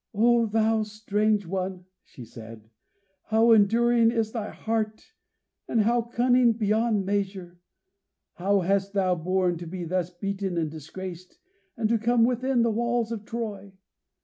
"Oh thou strange one," she said, "how enduring is thy heart and how cunning beyond measure! How hast thou borne to be thus beaten and disgraced, and to come within the walls of Troy?